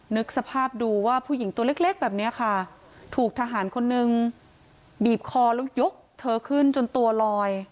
นึกสภาพดูว่าผู้หญิงตัวเล็กแบบนี้ค่ะถูกทหารคนนึงบีบคอแล้วยกเธอขึ้นจนตัวลอย